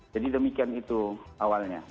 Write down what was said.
jadi demikian itu awalnya